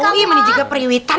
memang ini juga perihwitan